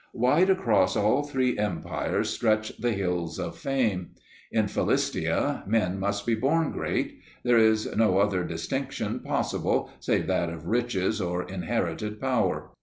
Wide across all three empires stretch the Hills of Fame. In Philistia men must be born great; there is no other distinction possible save that of riches or inherited power.